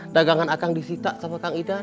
dagangan akan disita sama kang idan